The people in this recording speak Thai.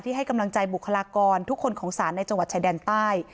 ให้กำลังใจบุคลากรทุกคนของศาลในจังหวัดชายแดนใต้